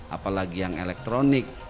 apalagi yang elektronik